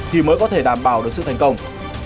thì mới có thể đảm bảo được sự thành công